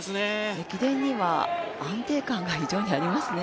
駅伝には安定感が非常にありますね。